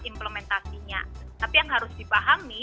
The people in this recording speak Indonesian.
implementasinya tapi yang harus dipahami